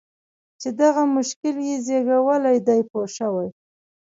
چې دغه مشکل یې زېږولی دی پوه شوې!.